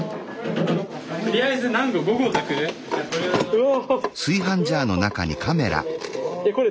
うわ！